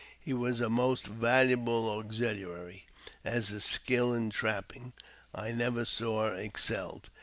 He was a most valuable auxiliary, as his skill in trapping I never saw excelled.